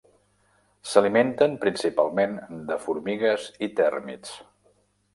S'alimenten principalment de formigues i tèrmits.